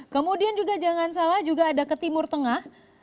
kemudian juga jangan salah juga ada ke timur tengah